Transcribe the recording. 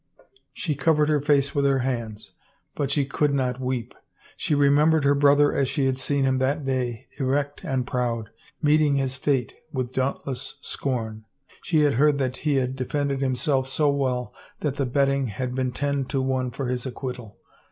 .•. She covered her face with her hands, but she could not weep. She remembered her brother as she had seen him that day, erect and proud, meeting his fate with dauntless scorn. She had heard that he had defended himself so well that the betting had been ten to one for his acquittal.